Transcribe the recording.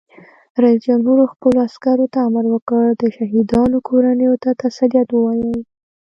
رئیس جمهور خپلو عسکرو ته امر وکړ؛ د شهیدانو کورنیو ته تسلیت ووایئ!